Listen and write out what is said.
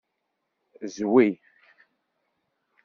Zwi.